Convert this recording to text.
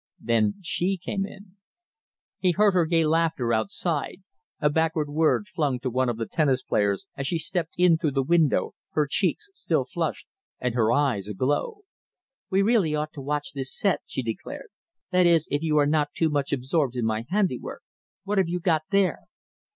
Then she came in. He heard her gay laughter outside, a backward word flung to one of the tennis players, as she stepped in through the window, her cheeks still flushed, and her eyes aglow. "We really ought to watch this set," she declared. "That is, if you are not too much absorbed in my handiwork. What have you got there?"